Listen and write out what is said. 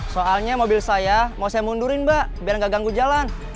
soalnya mobil saya mau saya mundurin mbak biar nggak ganggu jalan